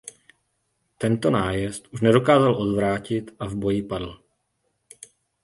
Tento nájezd už nedokázal odvrátit a v boji padl.